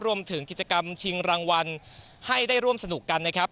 รวมถึงกิจกรรมชิงรางวัลให้ได้ร่วมสนุกกันนะครับ